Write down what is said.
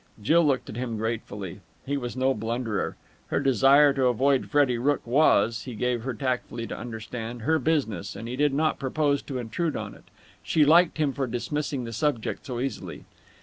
Jill looked at him gratefully. He was no blunderer. Her desire to avoid Freddie Rooke was, he gave her tacitly to understand, her business, and he did not propose to intrude on it. She liked him for dismissing the subject so easily.